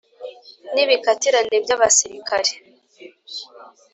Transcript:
n’ibikatirane by’abasirikare,